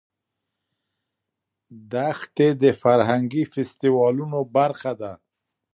دښتې د فرهنګي فستیوالونو برخه ده.